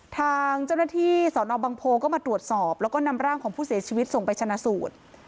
ทางเจ้าหน้าที่สอนอบังโพก็มาตรวจสอบแล้วก็นำร่างของผู้เสียชีวิตส่งไปชนะสูตร